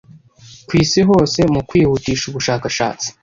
ku isi hose mu kwihutisha ubushakashatsi